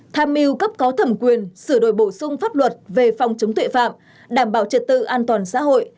tham mưu cấp có thẩm quyền sửa đổi bổ sung pháp luật về phòng chống tội phạm đảm bảo trật tự an toàn xã hội